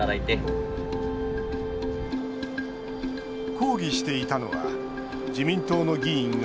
抗議していたのは自民党の議員が